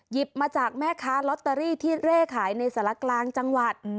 มาจากแม่ค้าลอตเตอรี่ที่เร่ขายในสารกลางจังหวัด